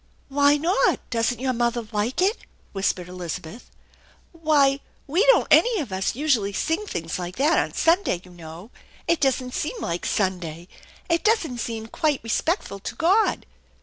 "Why not? Doesn't your mother like it?" whispered Elizabeth. "Why, we don't any of us usually sing things like that on Sunday, you know. It doesn't seem like Sunday. It doesn't seem quite respectful to God."